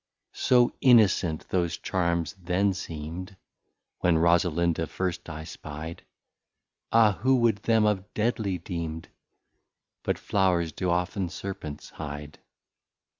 So Innocent those Charms then seem'd, When Rosalinda first I spy'd, Ah! Who would them have deadly deem'd? But Flowrs do often Serpents hide.